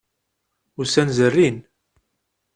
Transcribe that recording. Ussan zerrin.